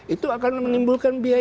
itu akan menimbulkan penyakit